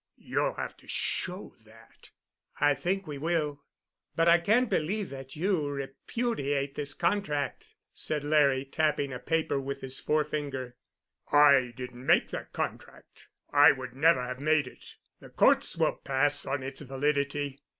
"You'll have to show that." "I think we will. But I can't believe that you repudiate this contract," said Larry, tapping a paper with his forefinger. "I didn't make that contract. I would never have made it. The courts will pass on its validity."